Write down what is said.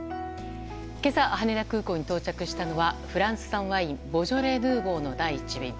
今朝、羽田空港に到着したのはフランス産ワインボージョレ・ヌーボーの第１便。